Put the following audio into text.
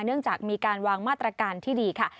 เนื่องจากมีการวางมาตรการที่ดีค่ะ